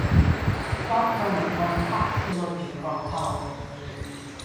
John Burnett won caps for Yorkshire while at Halifax.